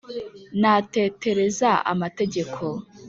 natetereza amategeko